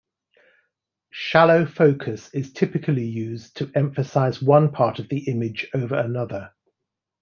Shallow focus is typically used to emphasize one part of the image over another.